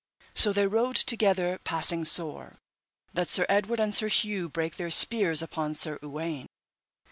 So they rode together passing sore, that Sir Edward and Sir Hue brake their spears upon Sir Uwaine.